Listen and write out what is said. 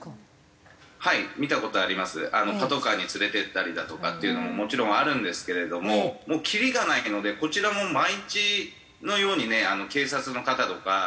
パトカーに連れてったりだとかっていうのももちろんあるんですけれどももうきりがないのでこちらも毎日のようにね警察の方とか呼ぶわけにいかないし。